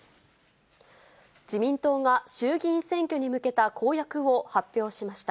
自民党が衆議院選挙に向けた公約を発表しました。